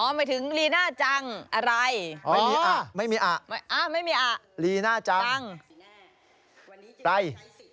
หมายถึงรีน่าจังอะไรไม่มีอรีน่าจังอะไร